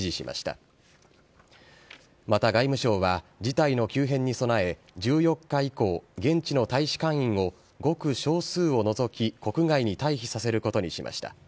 また外務省は、事態の急変に備え１４日以降、現地の大使館員をごく少数を除き国外へ退避させることにしました。